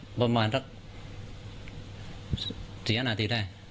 ก็สักประมาณสัก๔นาทีได้